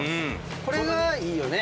これがいいよね。